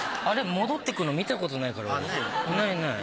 あれ戻ってくんの見たことないから俺。あっないの？